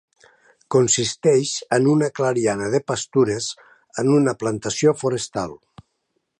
Consisteix en una clariana de pastures en una plantació forestal.